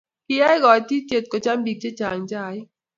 kiyai kaititye kocham biik chechang' chaik